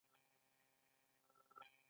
هغه د قدرت ماهیت روښانه کړ.